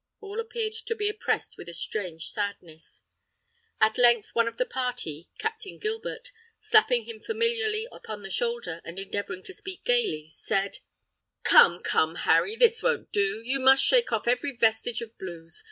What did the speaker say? All appeared to be oppressed with a strange sadness. At length one of the party, Captain Gilbert, slapping him familiarly upon the shoulder, and endeavoring to speak gayly, said: "Come, come, Harry, this won't do! you must shake off every vestige of blues.